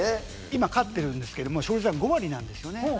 今、勝ってるんですけれども、勝率が５割なんですね。